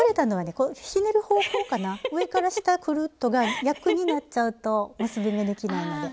上から下くるっとが逆になっちゃうと結び目できないので。